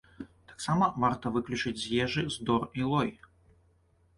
Таксама варта выключыць з ежы здор і лой.